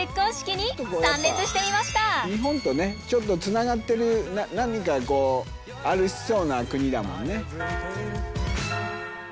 日本とねちょっとつながってる何かありそうな国だもんね。